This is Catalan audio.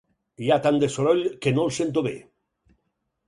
Hi ha tant de soroll que no el sento bé.